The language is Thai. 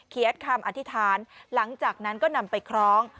คำอธิษฐานหลังจากนั้นก็นำไปคล้อง